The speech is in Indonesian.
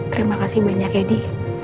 terima kasih banyak ya di